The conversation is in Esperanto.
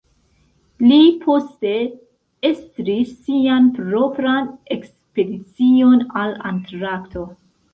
Li poste estris sian propran ekspedicion al Antarkto.